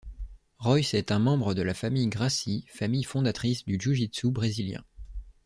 Royce est un membre de la famille Gracie, famille fondatrice du jiu-jitsu brésilien.